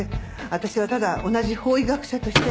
私はただ同じ法医学者として。